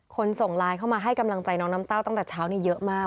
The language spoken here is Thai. ส่งไลน์เข้ามาให้กำลังใจน้องน้ำเต้าตั้งแต่เช้านี้เยอะมาก